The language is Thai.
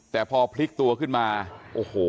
แต่พอพลิกตัวขึ้นมาโอ้โห